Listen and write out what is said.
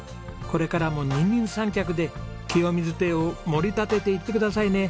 これからも二人三脚できよみず邸を盛り立てていってくださいね。